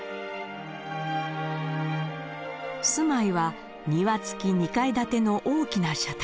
住まいは庭付き２階建ての大きな社宅。